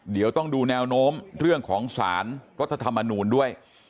เดี๋ยวต้องดูแนวโน้มเรื่องของสารรัฐธรรมนูลด้วย